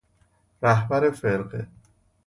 رهبر فرقه